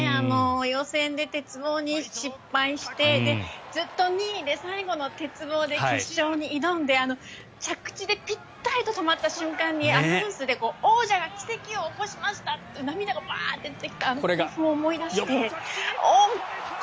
予選で鉄棒に失敗してずっと２位で最後の鉄棒で決勝に挑んで着地でピッタリと止まった瞬間にアナウンスで王者が奇跡を起こしました！って涙がバーッと出てきたことを思い出して。